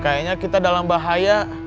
kayaknya kita dalam bahaya